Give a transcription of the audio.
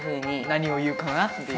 何を言うかなって。